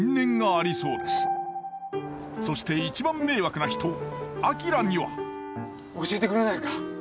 そして一番迷惑な人明には教えてくれないか？